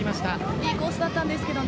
いいコースだったんですけどね。